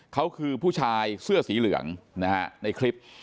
เขาคือผู้ชายเสื้อสีเหลืองนะฮะในคลิป